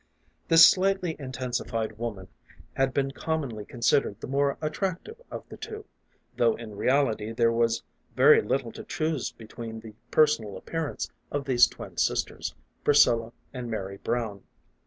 This slightly intensified woman had been commonly con sidered the more attractive of the two, although in reality there was very little to choose between the personal appear ance of these 'twin sisters, Priscilla and Mary Brown.